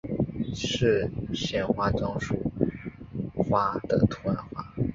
是县花樟树花的图案化。